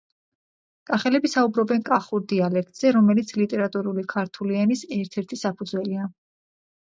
კახელები საუბრობენ კახურ დიალექტზე, რომელიც ლიტერატურული ქართული ენის ერთ-ერთი საფუძველია.